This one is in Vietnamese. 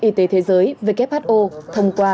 y tế thế giới who thông qua